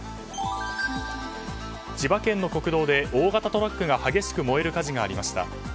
千葉県の国道で大型トラックが激しく燃える火事がありました。